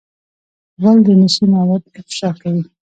غول د نشې مواد افشا کوي.